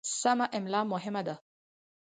سمه املا مهمه ده.